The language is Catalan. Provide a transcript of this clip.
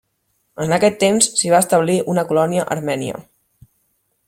En aquest temps s'hi va establir una colònia armènia.